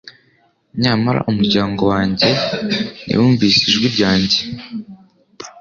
Nyamara umuryango wanjye ntiwumvise ijwi ryanjye